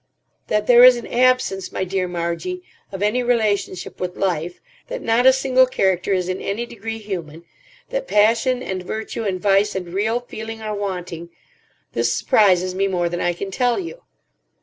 "That there is an absence, my dear Margie, of any relationship with life, that not a single character is in any degree human, that passion and virtue and vice and real feeling are wanting—this surprises me more than I can tell you.